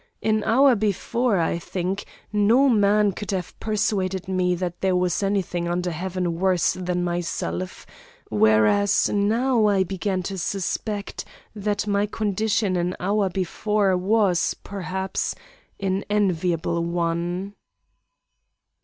An hour before, I think, no man could have persuaded me that there was any thing under heaven worse than myself, whereas, now I began to suspect that my condition an hour before was, perhaps, an enviable one.